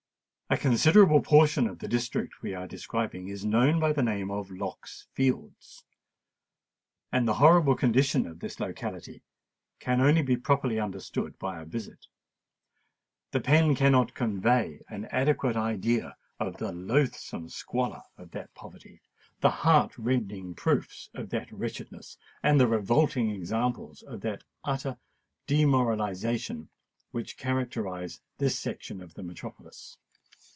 A considerable portion of the district we are describing is known by the name of Lock's Fields; and the horrible condition of this locality can only be properly understood by a visit. The pen cannot convey an adequate idea of the loathsome squalor of that poverty—the heart rending proofs of that wretchedness—and the revolting examples of that utter demoralization, which characterise this section of the metropolis.